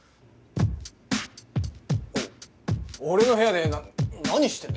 お俺の部屋でな何してんだ？